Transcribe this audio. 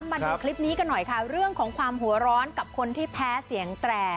มาดูคลิปนี้กันหน่อยค่ะเรื่องของความหัวร้อนกับคนที่แพ้เสียงแตร่